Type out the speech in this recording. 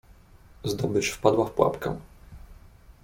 "Zdobycz wpadła w pułapkę."